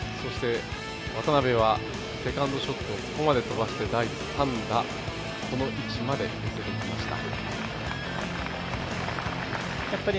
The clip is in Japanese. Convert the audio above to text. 渡邉はセカンドショット、ここまで飛ばして第３打この位置までつけてきました。